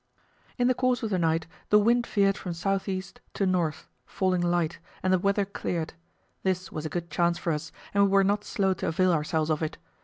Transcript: In the course of the night the wind veered from south east to north, falling light, and the weather cleared. This was a good chance for us, and we were not slow to avail ourselves of it.